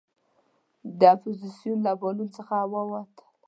د اپوزیسون له بالون څخه هوا ووتله.